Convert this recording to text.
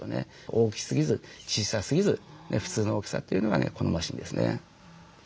大きすぎず小さすぎず普通の大きさというのがね好ましいんですね。